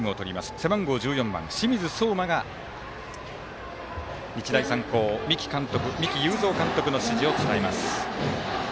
背番号１４番、清水蒼天が日大三高、三木有造監督の指示を伝えます。